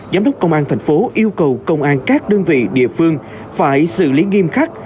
giám đốc công an thành phố yêu cầu công an các đơn vị địa phương phải xử lý nghiêm khắc